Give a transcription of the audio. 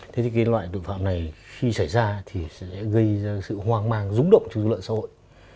thế thì cái loại tội phạm này khi xảy ra thì sẽ gây ra sự hoang mang rúng động trong lượng xã hội